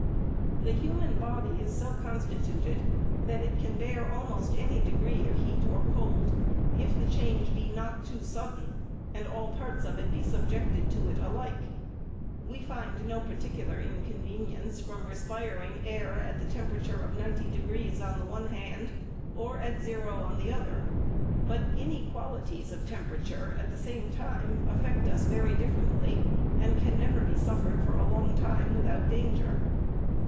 The human body is so constituted, that it can bear almost any degree of heat or cold, if the change be not too sudden, and all parts of it be subjected to it alike. We find no particular inconvenience from respiring air at the temperature of ninety degrees on the one hand, or at zero on the other ; but inequalities of temperature, at the same time, affect us very differently, and can never be suffered for a long time without danger.